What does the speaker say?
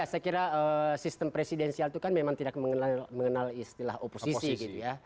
saya kira sistem presidensial itu kan memang tidak mengenal istilah oposisi gitu ya